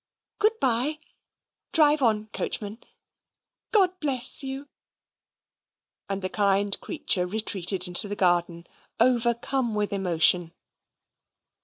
Good by. Drive on, coachman. God bless you!" And the kind creature retreated into the garden, overcome with emotion.